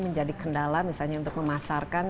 menjadi kendala misalnya untuk memasarkan